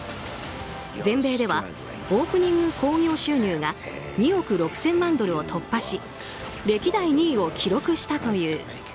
全米ではオープニング興行収入が２億６０００万ドルを突破し歴代２位を記録したという。